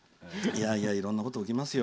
いろんなことが起きますよ。